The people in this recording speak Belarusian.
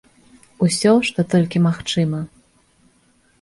Усё, што толькі магчыма.